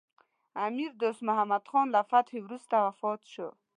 امیر دوست محمد خان له فتحې وروسته وفات شو.